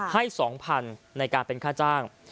ให้๒๐๐๐ในการเป็นค่าจ้าง